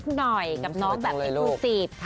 สวยตังเลยลูกกับน้องแบบอินคูซีฟ